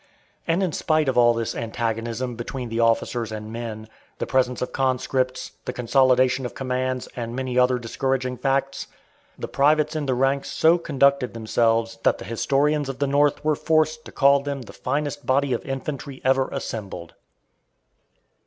And in spite of all this antagonism between the officers and men, the presence of conscripts, the consolidation of commands, and many other discouraging facts, the privates in the ranks so conducted themselves that the historians of the North were forced to call them the finest body of infantry ever assembled.